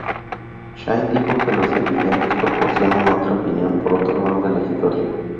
Shine dijo que los videntes proporcionan "otra opinión, otro lado de la historia".